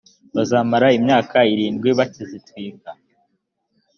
bazamara imyaka irindwi bakizitwika